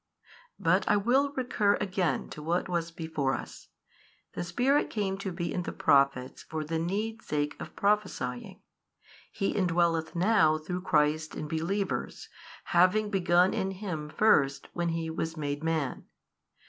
But I will recur again to what was before us. The Spirit came to be in the Prophets for the need's sake of prophesying, He indwelleth now through Christ in believers, having begun in Him first when He was made Man.